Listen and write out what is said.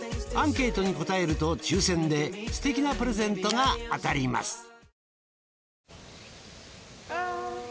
アンケートに答えると抽選ですてきなプレゼントが当たります。